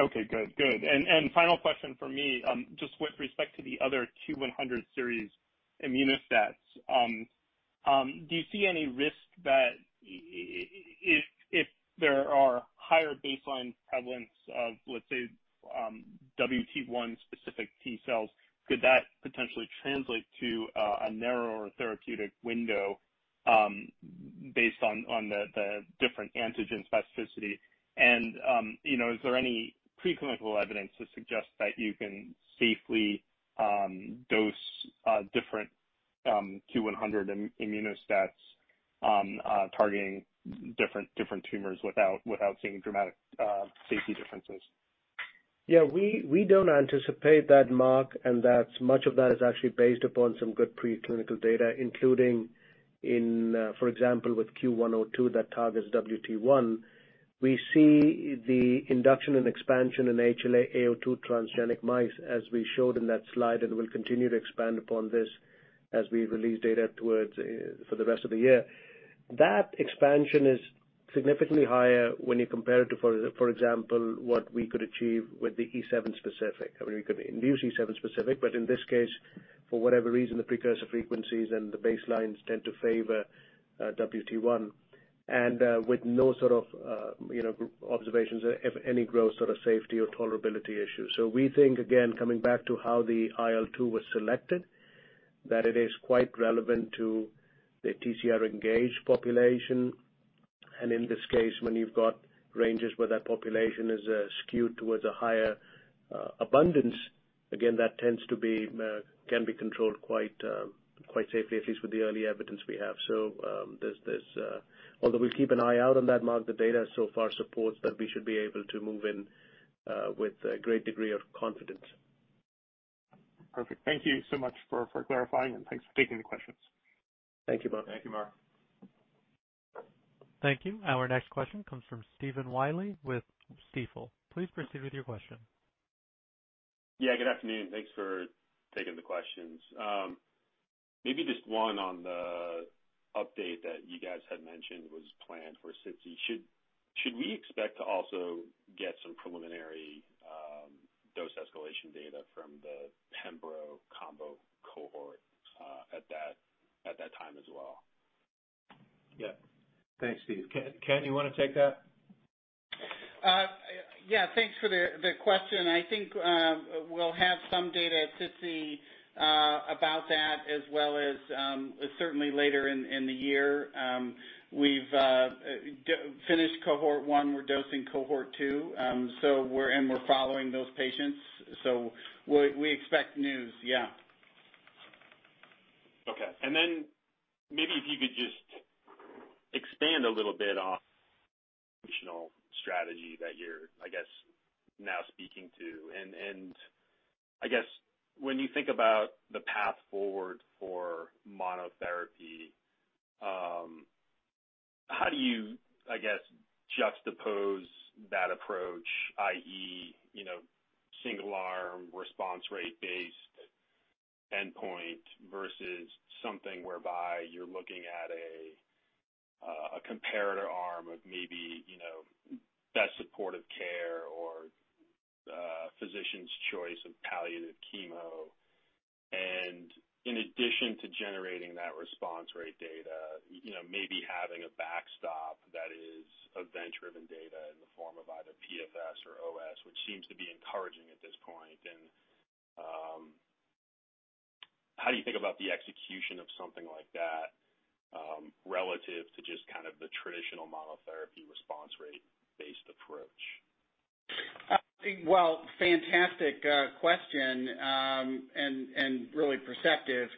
Okay, good. Final question from me, just with respect to the other CUE-100 series Immuno-STATs, do you see any risk that if there are higher baseline prevalence of, let's say, WT1 specific T cells, could that potentially translate to a narrower therapeutic window based on the different antigen specificity? Is there any pre-clinical evidence to suggest that you can safely dose different CUE-100 Immuno-STATs targeting different tumors without seeing dramatic safety differences?
Yeah. We don't anticipate that, Mark. Much of that is actually based upon some good pre-clinical data, including in, for example, with CUE-102 that targets WT1. We see the induction and expansion in HLA-A02 transgenic mice as we showed in that slide. We'll continue to expand upon this as we release data for the rest of the year. That expansion is significantly higher when you compare it to, for example, what we could achieve with the E7 specific. We could use E7 specific, in this case, for whatever reason, the precursor frequencies and the baselines tend to favor WT1, with no sort of observations of any gross sort of safety or tolerability issues. We think, again, coming back to how the IL-2 was selected, that it is quite relevant to the TCR-engaged population. In this case, when you've got ranges where that population is skewed towards a higher abundance, again, that tends to can be controlled quite safely, at least with the early evidence we have. Although we keep an eye out on that, Mark, the data so far supports that we should be able to move in with a great degree of confidence.
Perfect. Thank you so much for clarifying and thanks for taking the questions.
Thank you, Mark.
Thank you, Mark.
Thank you. Our next question comes from Stephen Willey with Stifel. Please proceed with your question.
Yeah, good afternoon. Thanks for taking the questions. Maybe just one on the update that you guys had mentioned was planned for SITC. Should we expect to also get some preliminary dose escalation data from the pembro combo cohort at that time as well?
Yeah. Thanks, Steve. Ken, you want to take that?
Yeah, thanks for the question. I think we'll have some data to see about that as well as certainly later in the year. We've finished cohort one. We're dosing cohort two, and we're following those patients. We expect news, yeah.
Okay. Then maybe if you could just expand a little bit on traditional strategy that you're, I guess, now speaking to. I guess when you think about the path forward for monotherapy, how do you, I guess, juxtapose that approach, i.e., single-arm response rate-based endpoint versus something whereby you're looking at a comparator arm of maybe best supportive care or physician's choice of palliative chemo. In addition to generating that response rate data, maybe having a backstop that is event-driven data in the form of either PFS or OS, which seems to be encouraging at this point. How do you think about the execution of something like that relative to just kind of the traditional monotherapy response rate-based approach?
Well, fantastic question and really perceptive.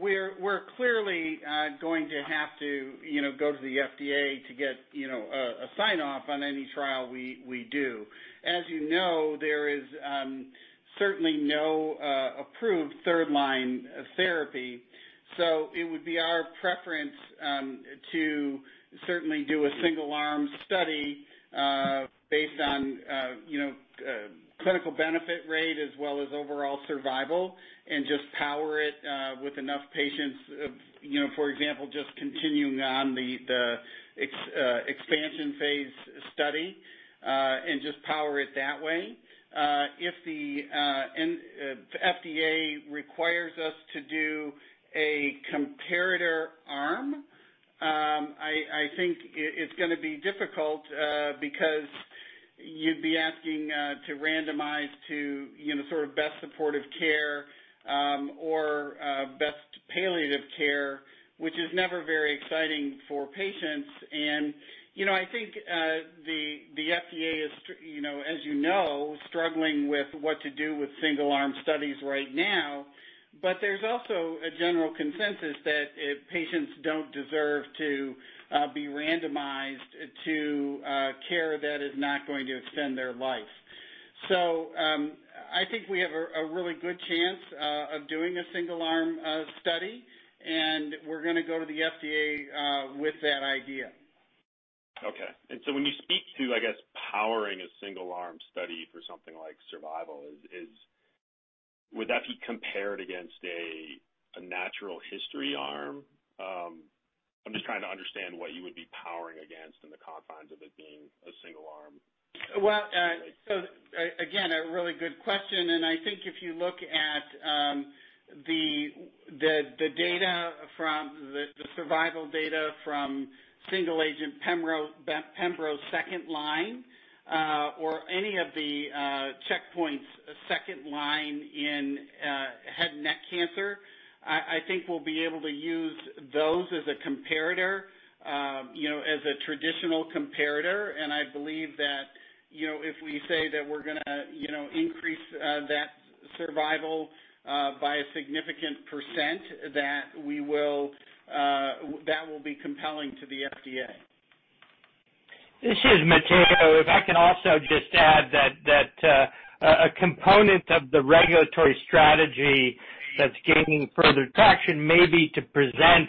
We're clearly going to have to go to the FDA to get a sign-off on any trial we do. As you know, there is certainly no approved third-line therapy, so it would be our preference to certainly do a single-arm study based on clinical benefit rate as well as overall survival and just power it with enough patients. For example, just continuing on the expansion phase study and just power it that way. If the FDA requires us to do a comparator arm, I think it's going to be difficult because you'd be asking to randomize to sort of best supportive care or best palliative care, which is never very exciting for patients. I think the FDA is, as you know, struggling with what to do with single-arm studies right now. There's also a general consensus that patients don't deserve to be randomized to care that is not going to extend their life. I think we have a really good chance of doing a single-arm study, and we're going to go to the FDA with that idea.
Okay. When you speak to, I guess, powering a single-arm study for something like survival is, would that be compared against a natural history arm? I'm just trying to understand what you would be powering against in the confines of it being a single arm.
Again, a really good question, I think if you look at the survival data from single-agent pembro second-line or any of the checkpoints second-line in head neck cancer, I think we'll be able to use those as a comparator, as a traditional comparator. I believe that if we say that we're going to increase that survival by a significant percent, that will be compelling to the FDA.
This is Matteo. If I can also just add that a component of the regulatory strategy that's gaining further traction may be to present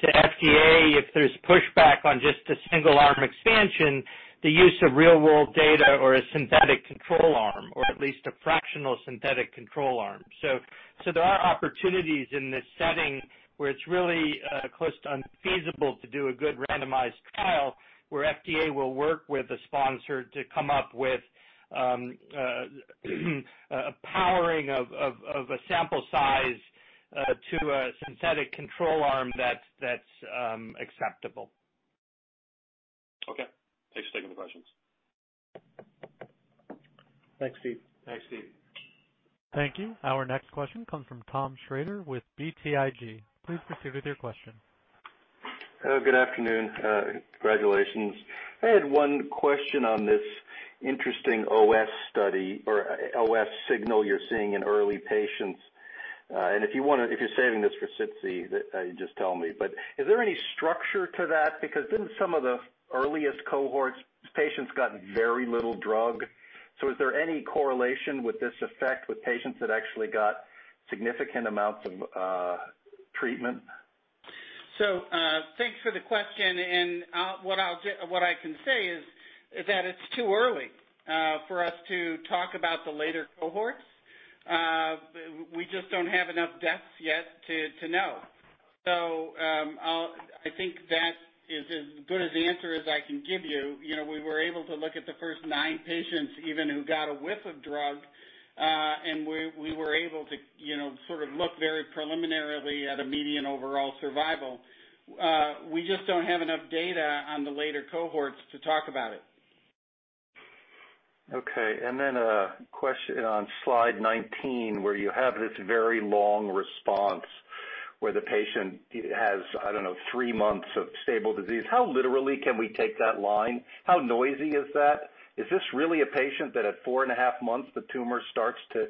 to FDA if there's pushback on just a single-arm expansion, the use of real-world data or a synthetic control arm, or at least a fractional synthetic control arm. There are opportunities in this setting where it's really close to unfeasible to do a good randomized trial where FDA will work with a sponsor to come up with a powering of a sample size to a synthetic control arm that's acceptable.
Okay. Thanks for taking the questions.
Thanks, Steve.
Thanks, Steve.
Thank you. Our next question comes from Tom Shrader with BTIG. Please proceed with your question.
Good afternoon. Congratulations. I had one question on this interesting OS study or OS signal you're seeing in early patients. If you're saving this for SITC, just tell me, but is there any structure to that? Didn't some of the earliest cohorts patients got very little drug? Is there any correlation with this effect with patients that actually got significant amounts of treatment?
Thanks for the question, and what I can say is that it's too early for us to talk about the later cohorts. We just don't have enough deaths yet to know. I think that is as good as answer as I can give you. We were able to look at the first nine patients even who got a whiff of drug, and we were able to sort of look very preliminarily at a median overall survival. We just don't have enough data on the later cohorts to talk about it.
Okay. A question on slide 19 where you have this very long response where the patient has, I don't know, three months of stable disease. How literally can we take that line? How noisy is that? Is this really a patient that at 4.5 months the tumor starts to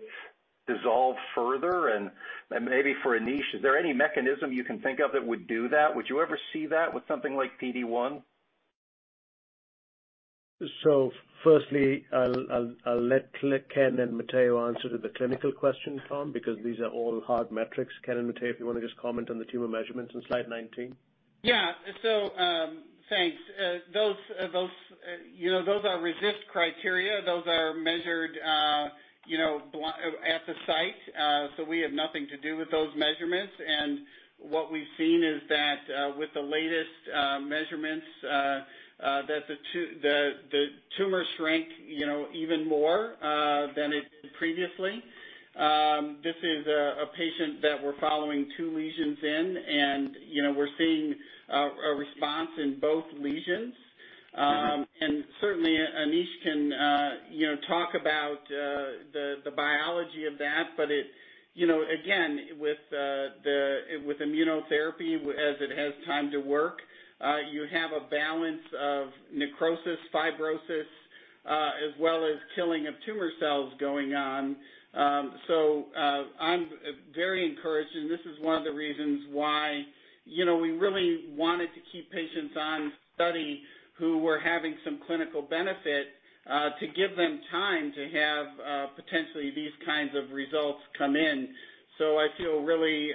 dissolve further? Maybe for Anish, is there any mechanism you can think of that would do that? Would you ever see that with something like PD-1?
Firstly, I'll let Ken and Matteo answer the clinical question, Tom, because these are all hard metrics. Ken and Matteo, if you want to just comment on the tumor measurements in slide 19.
Yeah. Thanks. Those are RECIST criteria. Those are measured at the site. We have nothing to do with those measurements. What we've seen is that with the latest measurements, the tumor shrank even more than it did previously. This is a patient that we're following two lesions in, and we're seeing a response in both lesions. Certainly, Anish can talk about the biology of that. Again, with immunotherapy, as it has time to work, you have a balance of necrosis, fibrosis, as well as killing of tumor cells going on. I'm very encouraged, and this is one of the reasons why we really wanted to keep patients on study who were having some clinical benefit to give them time to have potentially these kinds of results come in. I feel really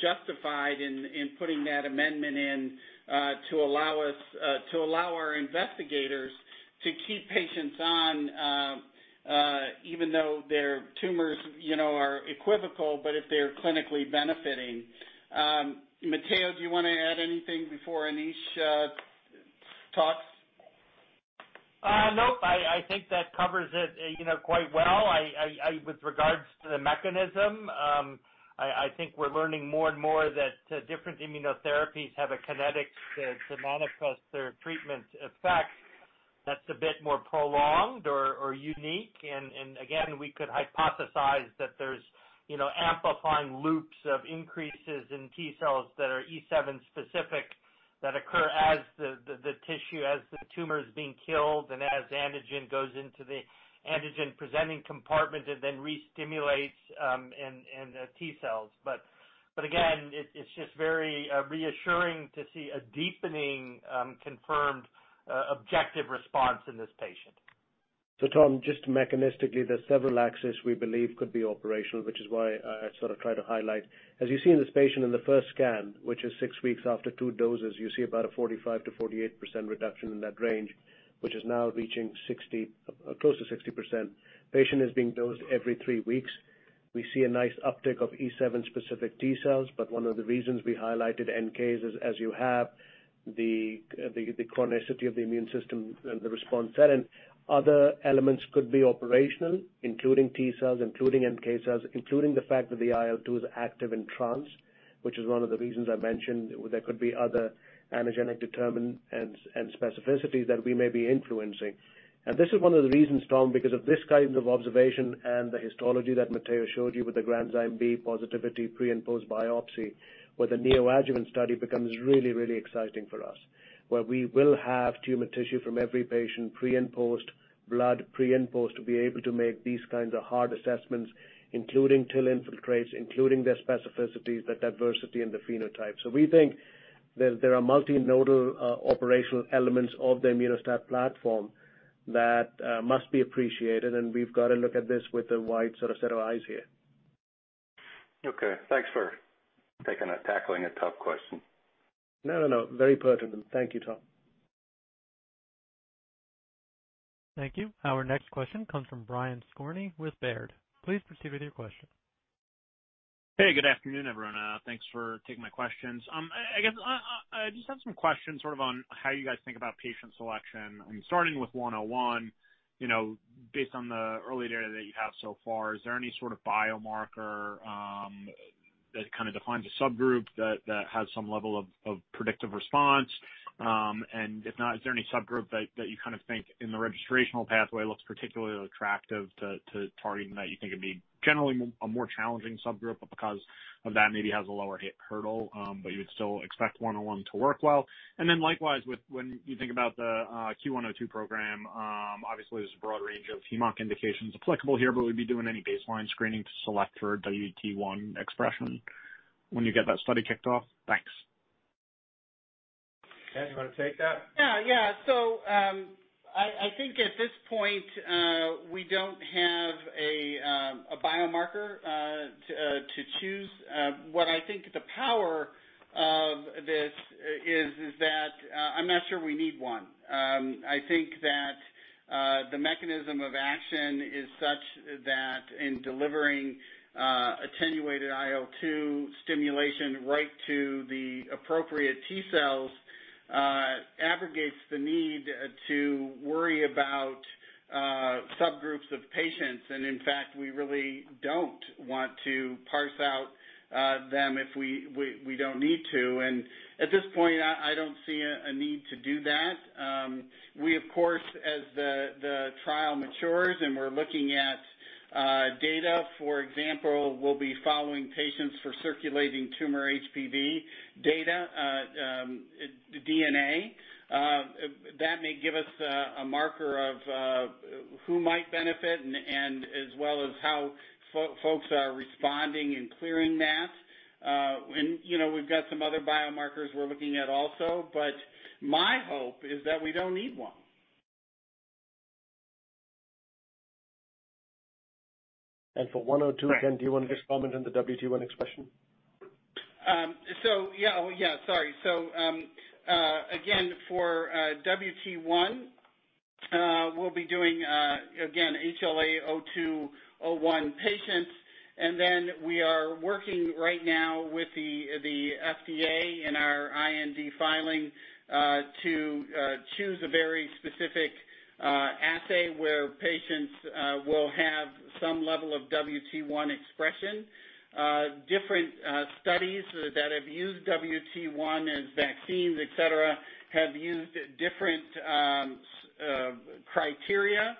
justified in putting that amendment in to allow our investigators to keep patients on even though their tumors are equivocal, but if they're clinically benefiting. Matteo, do you want to add anything before Anish talks?
Nope. I think that covers it quite well. With regards to the mechanism, I think we're learning more and more that different immunotherapies have a kinetic to manifest their treatment effect that's a bit more prolonged or unique. We could hypothesize that there's amplifying loops of increases in T cells that are E7 specific that occur as the tissue, as the tumor is being killed, and as antigen goes into the antigen-presenting compartment and then restimulates in the T cells. It's just very reassuring to see a deepening, confirmed objective response in this patient.
Tom, just mechanistically, there's several axes we believe could be operational, which is why I sort of try to highlight. As you see in this patient in the first scan, which is six weeks after two doses, you see about a 45%-48% reduction in that range, which is now reaching close to 60%. Patient is being dosed every three weeks. We see a nice uptick of E7 specific T cells, but one of the reasons we highlighted NK is, as you have the chronicity of the immune system and the response set in, other elements could be operational, including T cells, including NK cells, including the fact that the IL-2 is active in trans, which is one of the reasons I mentioned there could be other antigenic determinants and specificities that we may be influencing. This is one of the reasons, Tom, because of this kind of observation and the histology that Matteo showed you with the granzyme B positivity pre- and post-biopsy, where the neoadjuvant study becomes really exciting for us, where we will have tumor tissue from every patient pre- and post-blood to be able to make these kinds of hard assessments, including TIL infiltrates, including their specificities, the diversity and the phenotypes. We think that there are multi-nodal operational elements of the Immuno-STAT platform that must be appreciated, and we've got to look at this with a wide sort of set of eyes here.
Okay. Thanks for tackling a tough question.
No, no. Very pertinent. Thank you, Tom.
Thank you. Our next question comes from Brian Skorney with Baird. Please proceed with your question.
Hey, good afternoon, everyone. Thanks for taking my questions. I guess I just have some questions sort of on how you guys think about patient selection. Starting with CUE-101, based on the early data that you have so far, is there any sort of biomarker that kind of defines a subgroup that has some level of predictive response? If not, is there any subgroup that you kind of think in the registrational pathway looks particularly attractive to targeting that you think it'd be generally a more challenging subgroup, but because of that maybe has a lower hit hurdle, but you would still expect CUE-101 to work well? Likewise, when you think about the CUE-102 program, obviously there's a broad range of heme-onc indications applicable here, but would we be doing any baseline screening to select for WT1 expression when you get that study kicked off? Thanks.
Ken, you want to take that?
Yeah. I think at this point, we don't have a biomarker to choose. What I think the power of this is that I'm not sure we need one. I think the mechanism of action is such that in delivering attenuated IL-2 stimulation right to the appropriate T cells, abrogates the need to worry about subgroups of patients. In fact, we really don't want to parse out them if we don't need to. At this point, I don't see a need to do that. We, of course, as the trial matures and we're looking at data, for example, we'll be following patients for circulating tumor HPV data, DNA. That may give us a marker of who might benefit and as well as how folks are responding and clearing that. We've got some other biomarkers we're looking at also, but my hope is that we don't need one.
For CUE-102, again, do you want to just comment on the WT1 expression?
Yeah. Sorry. Again, for WT1, we'll be doing, again, HLA-A*02:01 patients, and then we are working right now with the FDA and our IND filing to choose a very specific assay where patients will have some level of WT1 expression. Different studies that have used WT1 as vaccines, et cetera, have used different criteria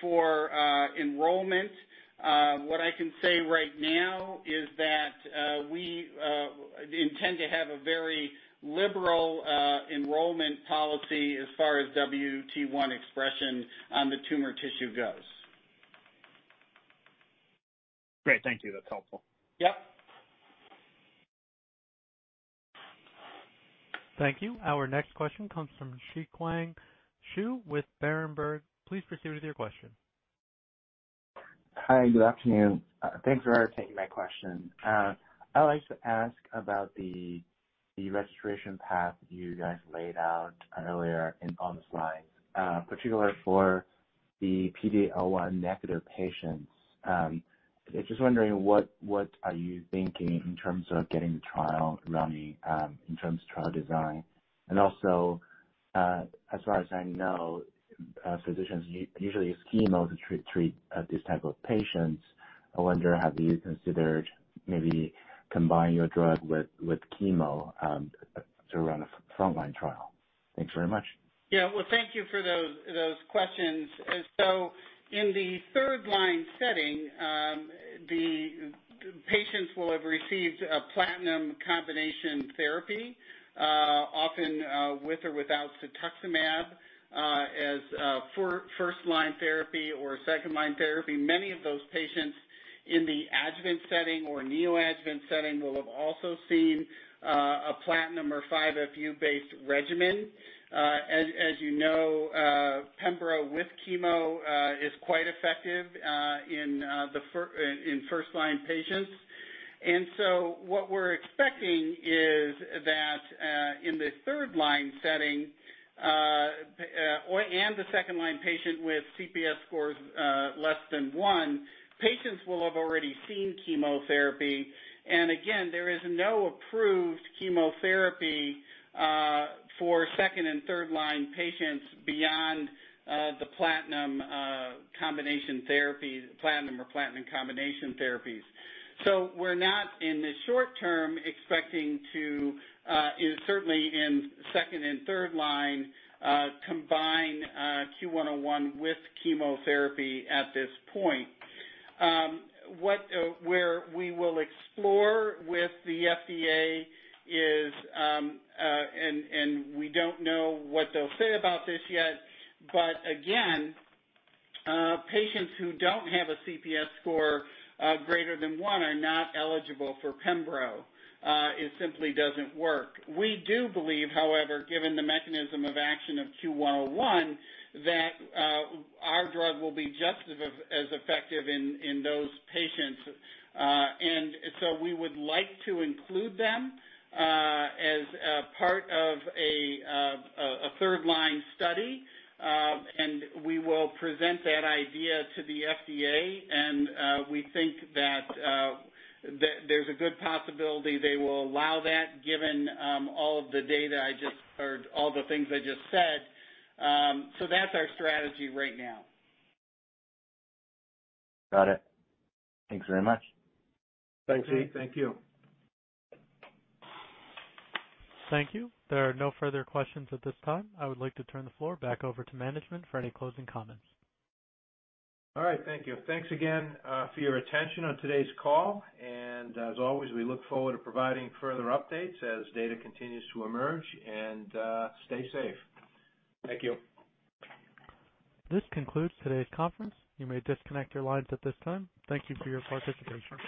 for enrollment. What I can say right now is that we intend to have a very liberal enrollment policy as far as WT1 expression on the tumor tissue goes.
Great. Thank you. That's helpful.
Yep.
Thank you. Our next question comes from Zhiqiang Shu with Berenberg. Please proceed with your question.
Hi. Good afternoon. Thanks for taking my question. I'd like to ask about the registration path you guys laid out earlier on the slides, particularly for the PD-L1 negative patients. Just wondering, what are you thinking in terms of getting the trial running, in terms of trial design? Also, as far as I know, physicians usually use chemo to treat these type of patients. I wonder, have you considered maybe combining your drug with chemo to run a frontline trial? Thanks very much.
Yeah. Well, thank you for those questions. In the third line setting, the patients will have received a platinum combination therapy, often with or without cetuximab as first line therapy or second line therapy. Many of those patients in the adjuvant setting or neoadjuvant setting will have also seen a platinum or 5-FU-based regimen. As you know, pembro with chemo is quite effective in first line patients. What we're expecting is that in the third line setting and the second line patient with CPS scores less than one, patients will have already seen chemotherapy. There is no approved chemotherapy for second and third line patients beyond the platinum or platinum combination therapies. We're not, in the short term, expecting to, certainly in second and third line, combine CUE-101 with chemotherapy at this point. Where we will explore with the FDA is, and we don't know what they'll say about this yet, but again, patients who don't have a CPS score greater than one are not eligible for pembro. It simply doesn't work. We do believe, however, given the mechanism of action of CUE-101, that our drug will be just as effective in those patients. We would like to include them as a part of a third line study, and we will present that idea to the FDA, and we think that there's a good possibility they will allow that given all the things I just said. That's our strategy right now.
Got it. Thank you very much.
Thanks Zhi.
Thank you.
Thank you. There are no further questions at this time. I would like to turn the floor back over to management for any closing comments.
All right. Thank you. Thanks again for your attention on today's call. As always, we look forward to providing further updates as data continues to emerge. Stay safe. Thank you.
This concludes today's conference. You may disconnect your lines at this time. Thank you for your participation.